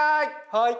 はい！